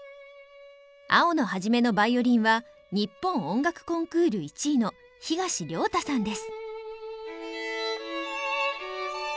青野一のヴァイオリンは日本音楽コンクール１位の東亮汰さんです。